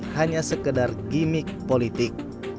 hanya sekedar gimmick politik